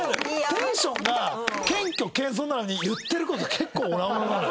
テンションが謙虚謙遜なのに言ってる事結構オラオラなのよ。